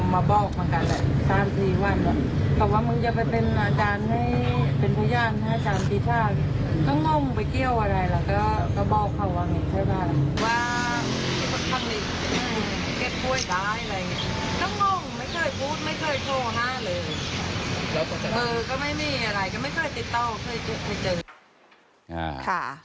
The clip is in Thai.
ไม่เคยพูดไม่เคยโทรหาเลยก็ไม่มีอะไรก็ไม่เคยติดต่อเคยเจอ